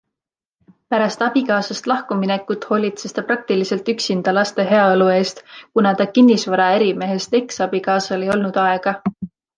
Pärast abikaasast lahkuminekut hoolitses ta praktiliselt üksinda laste heaolu eest, kuna ta kinnisvaraärimehest eksabikaasal ei olnud aega.